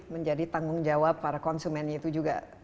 menjadi tanggung jawab para konsumennya itu juga